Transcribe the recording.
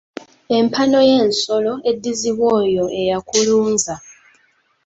Empano y’ensolo eddizibwa oyo eyakulunza.